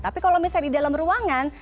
tapi kalau misalnya di dalam ruangan